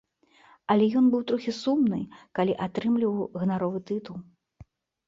Але ён быў трохі сумны, калі атрымліваў ганаровы тытул.